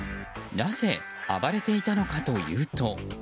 なぜ暴れていたのかというと。